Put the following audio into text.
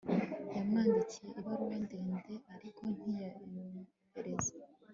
Yamwandikiye ibaruwa ndende ariko ntiyayohereza